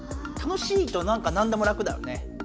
楽しいとなんかなんでも楽だよね。